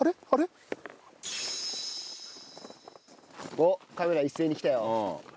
おっカメラ一斉に来たよ。